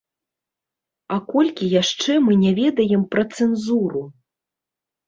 А колькі яшчэ мы не ведаем пра цэнзуру?